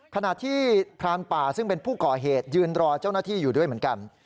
ขณะที่พรานป่าซึ่งเป็นผู้ก่อเหตุยืนรอเจ้าหน้าที่อยู่ด้วยเหมือนกัน